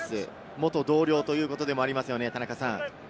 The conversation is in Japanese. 元同僚ということでもありますよね、田中さん。